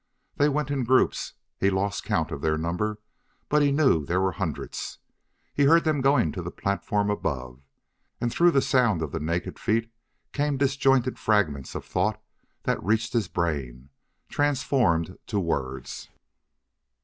They went in groups he lost count of their number but knew there were hundreds; he heard them going to the platform above. And, through the sound of the naked feet, came disjointed fragments of thought that reached his brain, transformed to words.